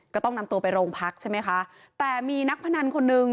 ก็ต้องนำตัวไปโรงพักใช่ไหมคะแต่มีนักพนันคนนึง